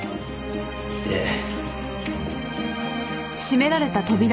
ええ。